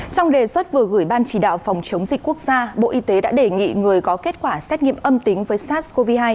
trong đề xuất vừa gửi ban chỉ đạo phòng chống dịch quốc gia bộ y tế đã đề nghị người có kết quả xét nghiệm âm tính với sars cov hai